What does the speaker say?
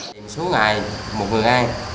tìm số ngày một người ăn